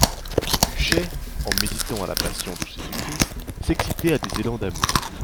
Pécuchet en méditant la Passion de Jésus-Christ s'excitait à des élans d'amour.